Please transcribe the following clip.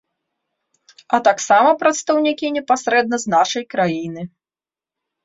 А таксама прадстаўнікі непасрэдна з нашай краіны.